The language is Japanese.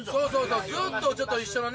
そうずっと一緒のね。